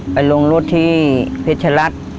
ไปลงรถที่เพชรรัฐ